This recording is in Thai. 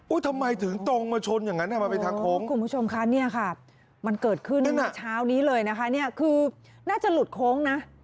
ทำไมถึงตรงมาชนอย่างนั้นมันเป็นทางโค้งคุณผู้ชมคะเนี่ยค่ะมันเกิดขึ้นตั้งแต่เช้านี้เลยนะคะเนี่ยคือน่าจะหลุดโค้งนะ